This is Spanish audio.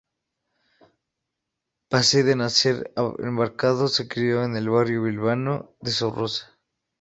Pese a nacer en Baracaldo, se crio en el barrio bilbaíno de Zorroza.